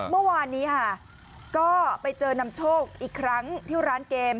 เมื่อวานนี้ค่ะก็ไปเจอนำโชคอีกครั้งที่ร้านเกม